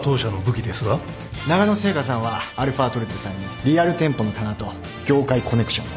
ながの製菓さんはαトルテさんにリアル店舗の棚と業界コネクションを。